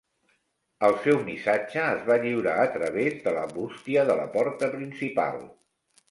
El seu missatge es va lliurar a través de la bústia de la porta principal.